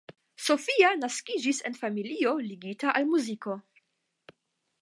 Sophia naskiĝis en familio ligita al muziko.